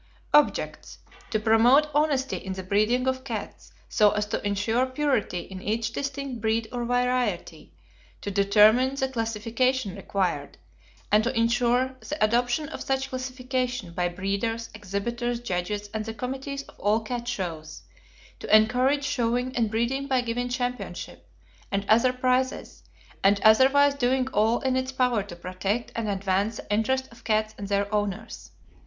Objects: To promote honesty in the breeding of cats, so as to insure purity in each distinct breed or variety; to determine the classification required, and to insure the adoption of such classification by breeders, exhibitors, judges, and the committees of all cat shows; to encourage showing and breeding by giving championship and other prizes, and otherwise doing all in its power to protect and advance the interest of cats and their owners.